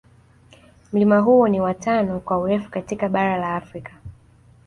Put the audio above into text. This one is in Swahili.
Mlima huo ni wa tano kwa urefu katika bara la Afrika